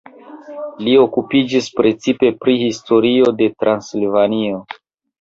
Li okupiĝis precipe pri historio de Transilvanio.